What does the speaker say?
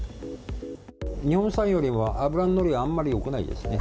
日本産よりは脂の乗りがあんまりよくないですね。